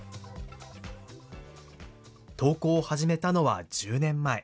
投稿を始めたのは１０年前。